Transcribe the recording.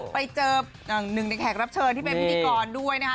ไปเจอหนึ่งในแขกรับเชิญที่เป็นพิธีกรด้วยนะคะ